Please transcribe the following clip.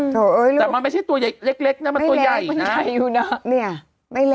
แต่มันไม่ใช่ตัวเล็กนะมันตัวใหญ่อยู่นะ